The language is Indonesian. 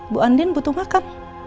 bu andin butuh makan